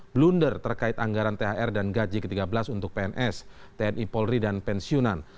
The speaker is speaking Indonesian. blunder terkait anggaran thr dan gaji ke tiga belas untuk pns tni polri dan pensiunan